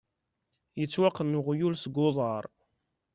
Yettwaqqen uɣyul seg uḍar.